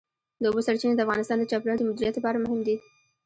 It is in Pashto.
د اوبو سرچینې د افغانستان د چاپیریال د مدیریت لپاره مهم دي.